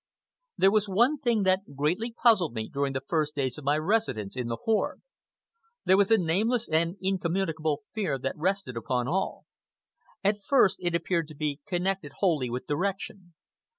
There was one thing that greatly puzzled me during the first days of my residence in the horde. There was a nameless and incommunicable fear that rested upon all. At first it appeared to be connected wholly with direction.